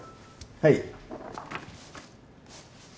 はい。